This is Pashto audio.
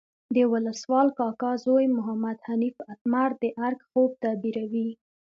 د ولسوال کاکا زوی محمد حنیف اتمر د ارګ خوب تعبیروي.